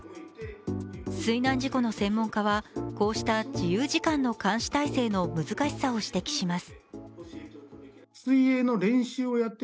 水難事故の専門家は、こうした自由時間の監視態勢の難しさを指摘します。